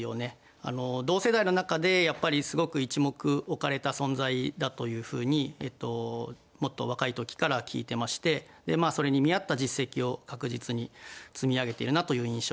あの同世代の中でやっぱりすごく一目置かれた存在だというふうにえともっと若い時から聞いてましてまあそれに見合った実績を確実に積み上げてるなという印象です。